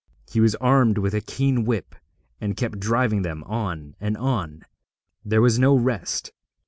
He was armed with a keen whip, and kept driving them on and on; there was no rest.